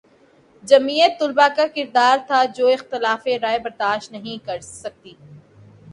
جمعیت طلبہ کا کردار تھا جو اختلاف رائے برداشت نہیں کر سکتی